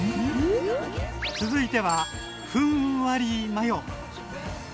続いてはふんわりマヨ！